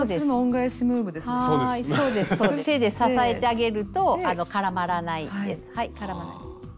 手で支えてあげると絡まらないです。